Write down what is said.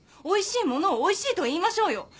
おいしい物をおいしいと言いましょうよ。